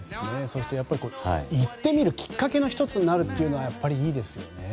そして行ってみるきっかけの１つになるというのがやっぱりいいですよね。